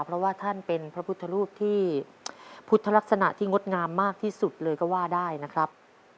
เพราะว่าท่านเป็นพระพุทธรูปที่พุทธลักษณะที่งดงามมากที่สุดเลยก็ว่าได้นะครับ